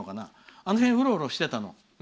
あの辺をうろうろしてたの。